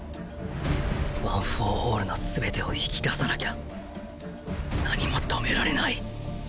ワン・フォー・オールの全てを引き出さなきゃ何も止められない